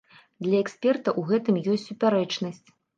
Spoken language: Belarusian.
Для эксперта ў гэтым ёсць супярэчнасць.